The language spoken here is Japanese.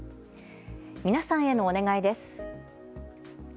皆さんへのお願いです。